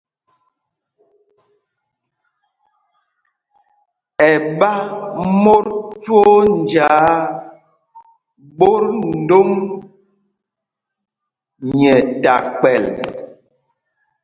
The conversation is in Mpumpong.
Ɛ ɓa mot twóó njāā ɓot ndom nyɛ ta kpɛl.